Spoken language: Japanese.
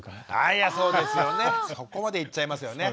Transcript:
そこまでいっちゃいますよね。